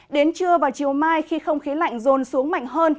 đến trưa và chiều mai khi không khí lạnh rồn xuống mạnh hơn